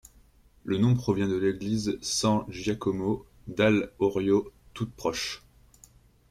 Le nom provient de l'Église San Giacomo dall'Orio, toute proche.